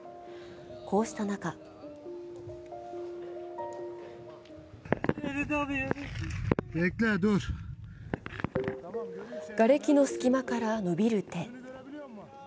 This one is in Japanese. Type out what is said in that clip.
こうしたなかがれきの隙間から伸びる手。